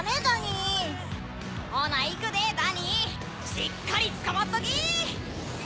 しっかりつかまっとき！